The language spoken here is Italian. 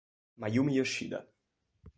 Mayumi Yoshida